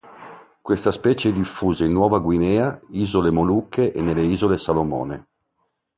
Questa specie è diffusa in Nuova Guinea, Isole Molucche e nelle Isole Salomone.